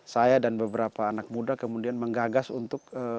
saya dan beberapa anak muda kemudian menggagas untuk